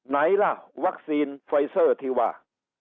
ไหนล่ะวัคซีนไฟเซอร์ที่ว่า